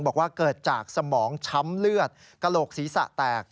บอกว่าเกิดจากสมองช้ำเลือดกระโหลกศีรษะแตก